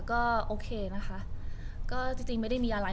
ก็โอเคนะคะก็จริงไม่ได้มีอะไร